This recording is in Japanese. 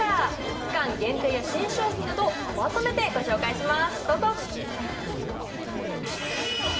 期間限定や新商品などまとめてご紹介します。